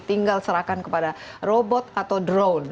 tinggal serahkan kepada robot atau drone